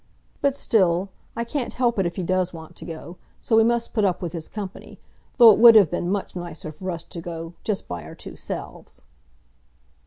But still, I can't help it if he does want to go, so we must put up with his company, though it would have been much nicer for us to go just by our two selves."